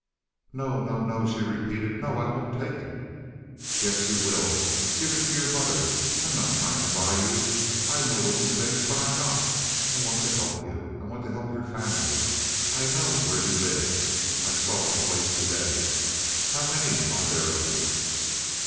"No, no, no!" she repeated. "No, I won't take it." "Yes, you will. Give it to your mother. I'm not trying to buy you. I know what you think. But I'm not. I want to help you. I want to help your family. I know where you live. I saw the place to day. How many are there of you?"